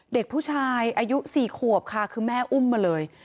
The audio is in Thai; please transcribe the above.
เด็กผู้ชายอายุ๔ขวบค่ะคือแม่อุ้มมาเลย